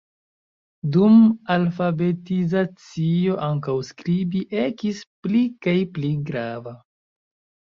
Dum alfabetizacio ankaŭ skribi ekis pli kaj pli grava.